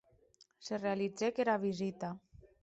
Se realizèc era visita.